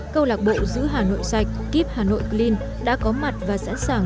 câu lạc bộ giữ hà nội sạch keep hà nội clin đã có mặt và sẵn sàng